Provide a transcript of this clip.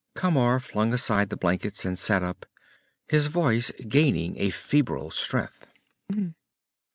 Camar flung aside the blankets and sat up, his voice gaining a febrile strength.